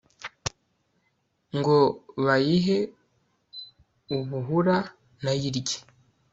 ngo bayihe ubuhura!nayo irye